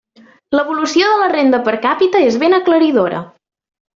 L'evolució de la renda per càpita és ben aclaridora.